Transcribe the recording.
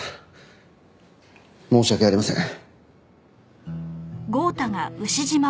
申し訳ありません。